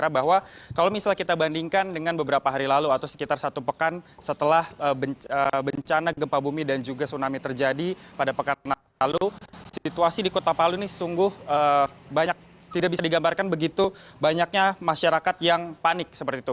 banyak tidak bisa digambarkan begitu banyaknya masyarakat yang panik seperti itu